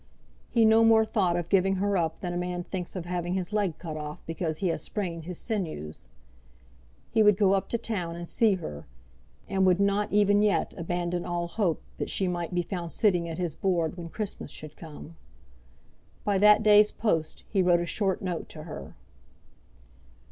He no more thought of giving her up than a man thinks of having his leg cut off because he has sprained his sinews. He would go up to town and see her, and would not even yet abandon all hope that she might be found sitting at his board when Christmas should come. By that day's post he wrote a short note to her.